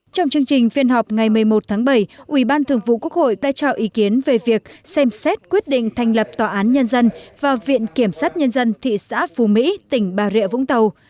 trong chương trình phiên họp ngày một mươi một tháng bảy ubthqh đã trao ý kiến về việc xem xét quyết định thành lập tòa án nhân dân và viện kiểm sát nhân dân thị xã phú mỹ tỉnh bà rịa vũng tàu